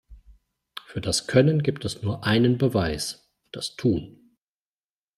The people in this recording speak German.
Für das Können gibt es nur einen Beweis: das Tun.